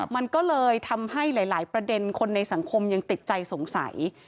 มันก็เลยทำให้หลายประเด็นคนในสังคมยังติดใจสงสัย